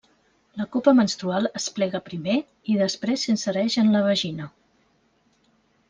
La copa menstrual es plega primer, i després s'insereix en la vagina.